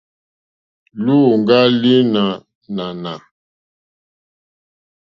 Luùŋga li nò ànànà.